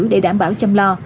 để đảm bảo chăm lo